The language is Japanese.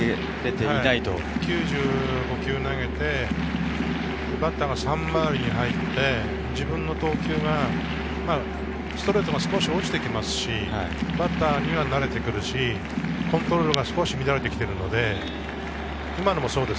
９５球投げてバッターが３回りに入って自分の投球がストレートが少し落ちてきますし、バッターには慣れてくるし、コントロールが少し乱れてきているので、今のもそうです。